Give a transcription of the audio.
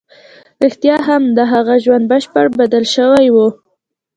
رښتيا هم د هغه ژوند بشپړ بدل شوی و.